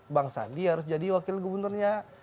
bang sandi harus jadi wakil gubernurnya